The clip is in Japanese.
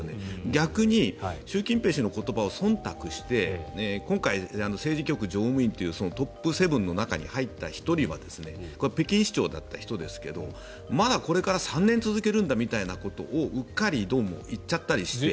逆に習近平氏の言葉をそんたくして今回、政治局常務委員というトップ７に入った１人は北京市長だった人ですがまだこれから３年続けるんだみたいなことをうっかりどうも言っちゃったりして。